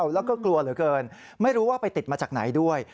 แล้วก็กลัวเหลือเกินไม่รู้ว่าไปติดมาจากไหนด้วย